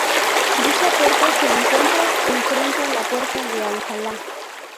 Dicha puerta se encuentra en frente a la Puerta de Alcalá.